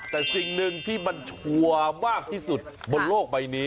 แต่สิ่งหนึ่งที่มันชัวร์มากที่สุดบนโลกใบนี้